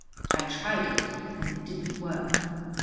I tried it and it didn't work.